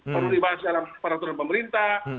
perlu dibahas dalam peraturan pemerintah